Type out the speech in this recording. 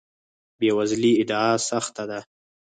بې وزلۍ ادعا سخت ده.